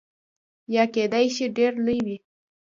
یا کیدای شي ډیر لوی وي.